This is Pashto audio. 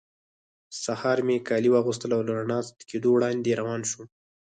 سهار مې کالي واغوستل او له رڼا کېدو وړاندې روان شوم.